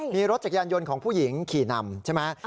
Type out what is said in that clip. มีรถจักรยานยนต์ของผู้หญิงขี่นำใช่ไหม